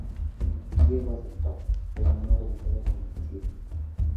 Diego aceptó, pero no del todo convencido.